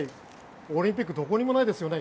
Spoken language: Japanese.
オリンピックどこにもないですよね。